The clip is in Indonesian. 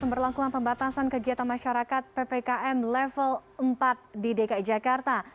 pemberlakuan pembatasan kegiatan masyarakat ppkm level empat di dki jakarta